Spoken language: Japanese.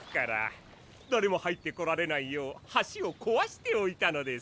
だれも入ってこられないよう橋をこわしておいたのです。